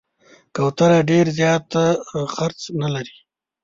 کوتره ډېر زیات خرڅ نه لري.